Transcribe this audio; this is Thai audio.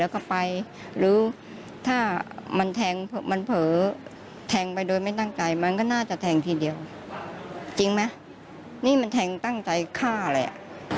ก่อนหน้านี้คุณเคยทะเลาะกันเหรอครับ